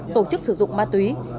tổ chức sử dụng ma túy